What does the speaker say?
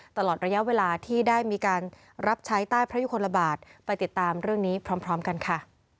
ตลอดระยะเวลาที่ได้มีการรับใช้ใต้พระยุคลบาทไปติดตามเรื่องนี้พร้อมกันค่ะ